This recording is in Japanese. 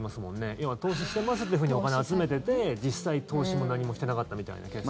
要は、投資してますってふうにお金を集めてて実際、投資も何もしてなかったみたいなケース。